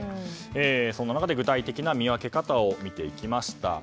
そんな中で具体的な見分け方を見てきました。